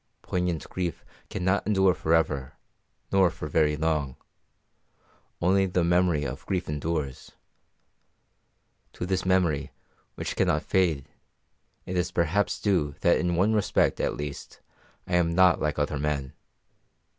Poignant grief cannot endure for ever, nor for very long; only the memory of grief endures. To this memory, which cannot fade, it is perhaps due that in one respect at least I am not like other men.